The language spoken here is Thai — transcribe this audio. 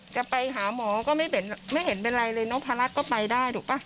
จะไปหาหมอก็ไม่เห็นเป็นไรเลยน้องพรัชก็ไปได้ถูกป่ะ